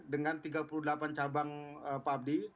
dengan tiga puluh delapan cabang publi